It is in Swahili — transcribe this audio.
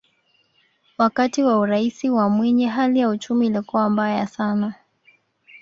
wakati wa uraisi wa mwinyi hali ya uchumi ilikuwa mbaya sana